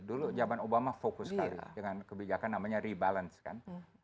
dulu zaman obama fokus sekali dengan kebijakan namanya rebalance kan